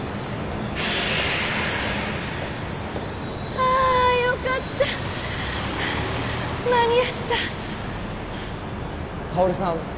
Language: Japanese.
ああよかった間に合った香さん